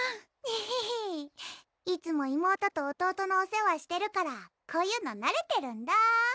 エヘヘいつも妹と弟のお世話してるからこういうのなれてるんだ